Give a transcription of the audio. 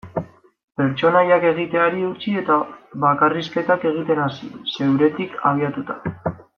Pertsonaiak egiteari utzi eta bakarrizketak egiten hasi, zeuretik abiatuta.